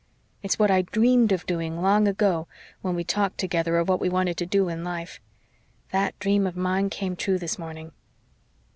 It's what I dreamed of doing long ago when we talked together of what we wanted to do in life. That dream of mine came true this morning."